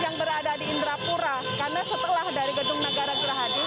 yang berada di indrapura karena setelah dari gedung negara gerahadi